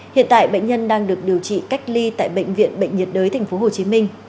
hiện tại bệnh nhân đang được điều trị cách ly tại bệnh viện bệnh nhiệt đới tp hcm